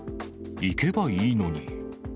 行けばいいのに。